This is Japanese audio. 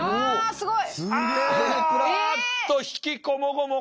すごい！